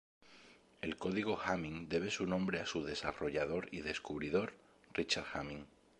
El código Hamming debe su nombre a su desarrollador y descubridor Richard Hamming.